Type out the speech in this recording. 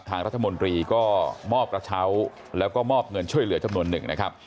ทางรัฐมนตรีก็มอบกระเช้าแล้วก็มอบเงินช่วยเหลือจำนวนหนึ่งนะครับ